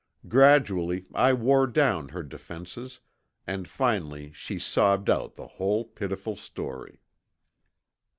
Gradually I wore down her defenses and finally she sobbed out the whole pitiful story.